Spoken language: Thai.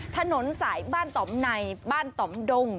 ถนนสายบ้านต่อมในบ้านต่อมดง